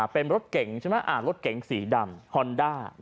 เป็นรถเก่งใช่ไหมรถเก๋งสีดำฮอนด้า